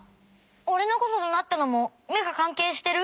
おれのことどなったのもめがかんけいしてる？